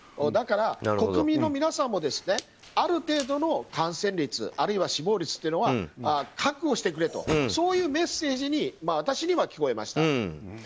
だから、国民の皆さんもある程度の感染率あるいは死亡率というのは覚悟してくれとそういうメッセージに私には聞こえました。